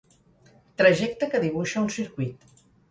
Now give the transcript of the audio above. Trajecte que dibuixa un circuit.